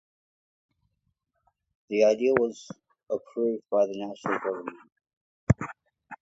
The idea was approved by the national government.